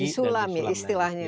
disulam ya istilahnya